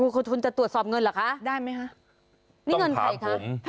คุณทุนจะตรวจสอบเงินเหรอคะได้ไหมคะนี่เงินใครคะ